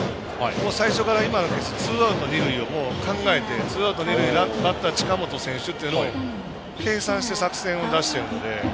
最初から、今のはツーアウト、二塁を考えてツーアウト、二塁バッター近本選手というのを計算して作戦を出しているので。